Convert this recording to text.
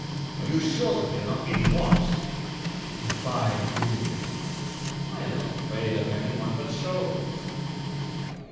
"Are you sure that we are not being watched?" "By whom? I am not afraid of anyone but Sholmes."